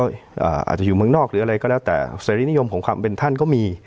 อาจจะอยู่เมืองนอกหรืออะไรก็แล้วแต่เสรีนิยมของความเป็นท่านก็มี